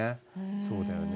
そうだよね。